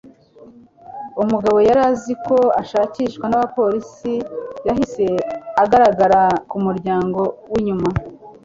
Umugabo yari azi ko ashakishwa nabapolisi yahise agaragara ku muryango winyuma